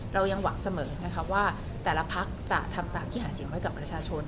เรายังหวังเสมอนะคะว่าแต่ละพักจะทำตามที่หาเสียงไว้กับประชาชน